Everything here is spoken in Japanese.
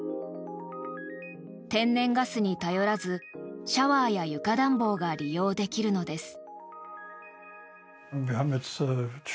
天然ガスに頼らずシャワーや床暖房が利用できるのです。